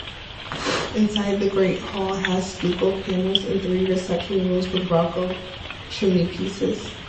Inside, the great hall has stucco panels, and three reception rooms with rococo chimneypieces.